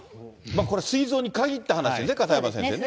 これ、すい臓に限った話ですよね、片山先生ね。